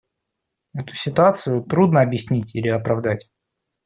Эту ситуацию трудно объяснить или оправдать.